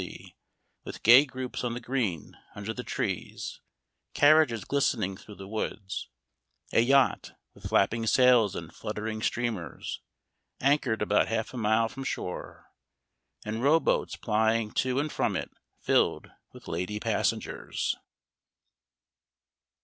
Sea, with gay groups on the green under the trees ; carriages glistening through the woods ; a yacht, with flapping sails and fluttering stream ers, anchored about half a mile from shore, and row boats plying to and from it filled with lady passengers."